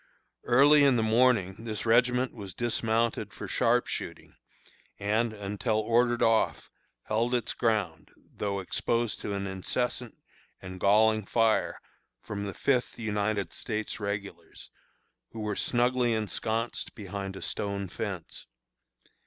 Early in the morning this regiment was dismounted for sharp shooting, and, until ordered off, held its ground, though exposed to an incessant and galling fire from the Fifth United States Regulars, who were snugly ensconced behind a stone fence.